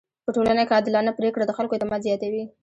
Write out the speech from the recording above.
په ټولنه کي عادلانه پریکړه د خلکو اعتماد زياتوي.